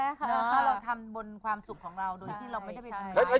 เราทำบนความสุขของเรา